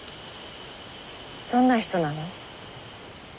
どんな人なの？